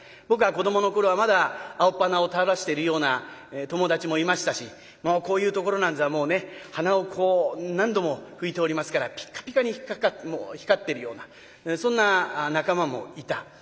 僕が子どもの頃はまだ青っぱなを垂らしているような友達もいましたしこういうところなんざはもうねはなをこう何度も拭いておりますからピカピカに光ってるようなそんな仲間もいた。